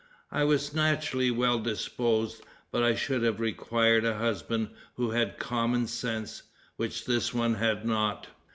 I was naturally well disposed, but I should have required a husband who had common sense, which this one had not."